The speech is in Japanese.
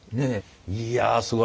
いやすごい。